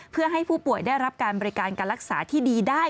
เพื่อให้ผู้ป่วยได้รับการบริการการรักษาที่ดีได้